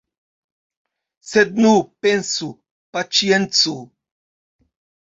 Sed nu, pensu, paĉiencu.